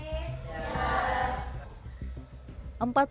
ya boleh boleh silahkan